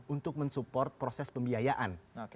untuk mensupport proses pembiayaan